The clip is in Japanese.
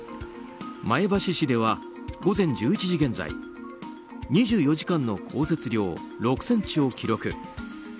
前橋市では午前１１時現在２４時間の降雪量６ｃｍを記録。